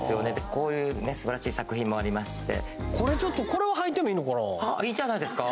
こういうすばらしい作品もありましてこれちょっとこれはいいんじゃないですか？